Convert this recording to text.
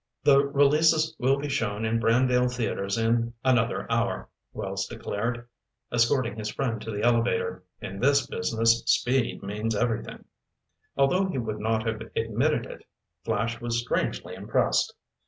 "The releases will be shown in Brandale theatres in another hour," Wells declared, escorting his friend to the elevator. "In this business speed means everything." Although he would not have admitted it, Flash was strangely impressed.